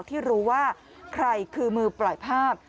ที่รู้ว่าใครคือมือปล่อยภาพ